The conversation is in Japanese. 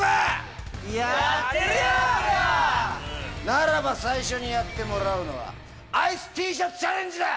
ならば最初にやってもらうのはアイスＴシャツチャレンジだ！